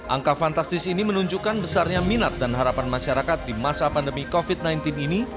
angka fantastis ini menunjukkan besarnya minat dan harapan masyarakat di masa pandemi covid sembilan belas ini